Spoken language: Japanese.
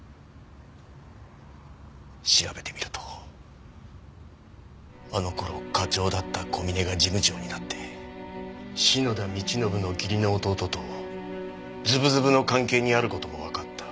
調べてみるとあの頃課長だった小嶺が事務長になって篠田道信の義理の弟とズブズブの関係にある事もわかった。